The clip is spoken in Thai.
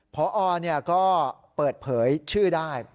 พลเนี่ยก็เปิดเผยชื่อได้